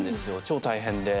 超大変で。